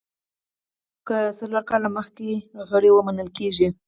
که څوک څلور کاله مخکې غړي وو منل کېږي.